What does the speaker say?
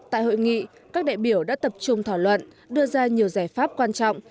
tại hội nghị các đại biểu đã tập trung thảo luận đưa ra nhiều giải pháp quan trọng